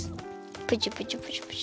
プチプチプチプチ。